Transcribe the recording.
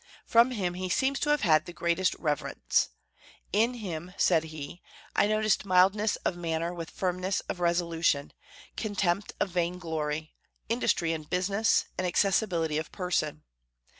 For him he seems to have had the greatest reverence. "In him," said he, "I noticed mildness of manner with firmness of resolution, contempt of vain glory, industry in business, and accessibility of person.